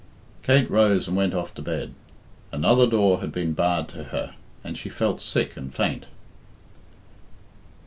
Kate rose and went off to bed. Another door had been barred to her, and she felt sick and faint.